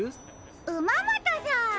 ウマモトさん。